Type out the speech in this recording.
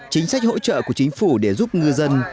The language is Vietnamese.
chính sách hỗ trợ của chính phủ để giúp ngư dân